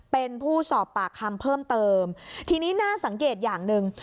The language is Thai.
เป็นผู้สอบปากคำเพิ่มเติมทีนี้น่าสังเกตอย่างหนึ่ง